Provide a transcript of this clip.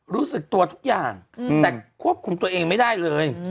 รู้สึกตัวทุกอย่างแต่ควบคุมตัวเองไม่ได้เลย